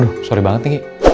aduh sorry banget nih